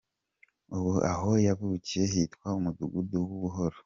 Ubu aho yavukiye hitwa Umudugudu wa Buhoro.